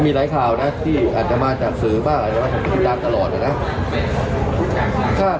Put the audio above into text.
มีหลายข่าวนะที่อาจจะมาจากสื่อบ้างอาจจะมาจากพิจารณ์ตลอดเนี่ยนะ